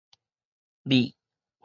覕